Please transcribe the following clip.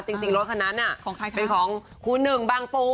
จริงรถคันนั้นเป็นของครูหนึ่งบางปู